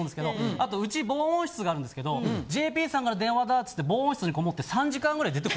あとうち防音室があるんですけど「ＪＰさんから電話だ」つって防音室にこもって。